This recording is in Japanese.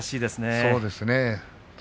そうですね。